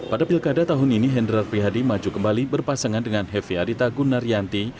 pada pilkada tahun ini hendrar prihadi maju kembali berpasangan dengan hefi arita gunnarianti